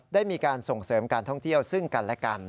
ได้มีการส่งเสริมการท่องเที่ยวซึ่งกันและกัน